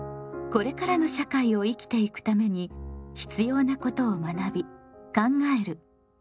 これからの社会を生きていくために必要なことを学び考える「公共」。